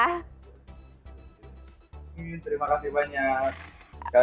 terima kasih banyak